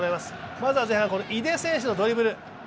まずは前半、井出選手のドリブル。